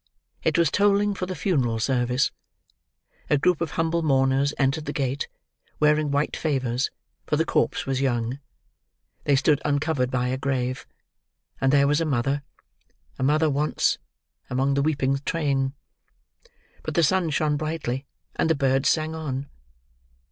It was tolling for the funeral service. A group of humble mourners entered the gate: wearing white favours; for the corpse was young. They stood uncovered by a grave; and there was a mother—a mother once—among the weeping train. But the sun shone brightly, and the birds sang on.